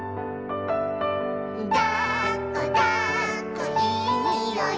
「だっこだっこいいにおい」